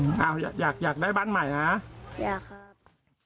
อืมอ้าวอยากได้บ้านใหม่นะฮะอยากครับ